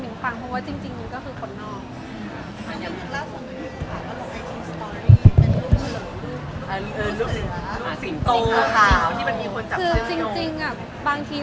ไม่นะคะพี่ภูขาคือไม่นะคะเขาไม่ได้เล่าเรื่องส่วนตัว